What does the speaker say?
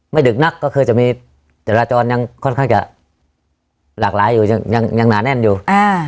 ดึกนักก็คือจะมีจราจรยังค่อนข้างจะหลากหลายอยู่ยังหนาแน่นอยู่